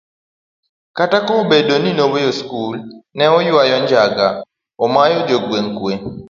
kata ka obedo ni noweyo skul, ne oywayo njaga, omayo jogweng' kwe